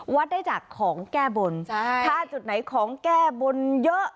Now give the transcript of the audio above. วัดได้จากของแก้บนถ้าจุดไหนของแก้บนเยอะ